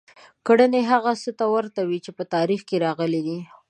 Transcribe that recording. کړنې هغه څه ته ورته دي چې په تاریخ کې راغلي دي.